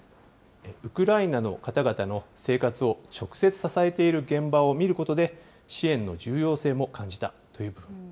ウクライナの方々の生活を直接支えている現場を見ることで、支援の重要性も感じたという部分。